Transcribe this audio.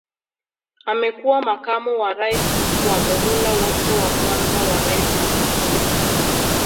Amekuwa makamu wa Rais kwa muhula wote wa kwanza wa Rais Magufuli